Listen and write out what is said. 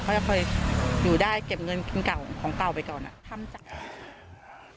เขาจะคอยอยู่ได้เก็บเงินของเก่าไปก่อนนะ